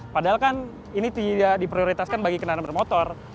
padahal kan ini tidak diprioritaskan bagi kendaraan bermotor